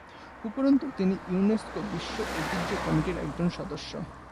উপরন্তু, তিনি ইউনেস্কো বিশ্ব ঐতিহ্য কমিটির একজন সদস্য।